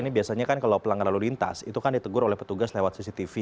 ini biasanya kan kalau pelanggar lalu lintas itu kan ditegur oleh petugas lewat cctv